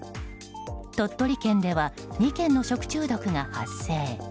鳥取県では２件の食中毒が発生。